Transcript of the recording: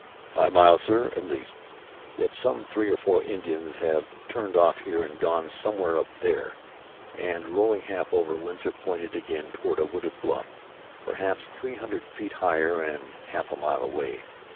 "Five miles, sir, at least; yet some three or four Indians have turned off here and gone somewhere up there." And, rolling half over, Winsor pointed again toward a wooded bluff, perhaps three hundred feet higher and half a mile away.